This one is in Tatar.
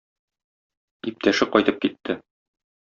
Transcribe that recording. Иптәше кайтып китте.